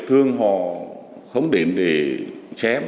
thường họ không đến để chém